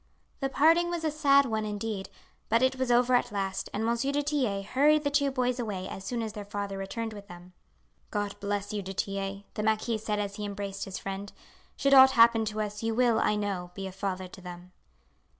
The parting was a sad one indeed, but it was over at last, and Monsieur du Tillet hurried the two boys away as soon as their father returned with them. "God bless you, du Tillet!" the marquis said as he embraced his friend. "Should aught happen to us, you will, I know, be a father to them."